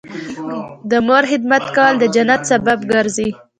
د مور خدمت کول د جنت سبب ګرځي